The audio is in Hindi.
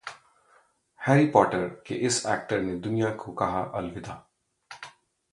'हैरी पॉटर' के इस एक्टर ने दुनिया को कहा अलविदा